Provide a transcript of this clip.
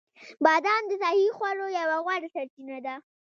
بادام د صحي خوړو یوه غوره سرچینه ده.